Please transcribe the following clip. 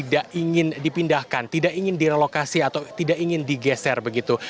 yang ada di kawasan rempang yang tidak ingin dipindahkan tidak ingin direlokasi atau tidak ingin digeser begitu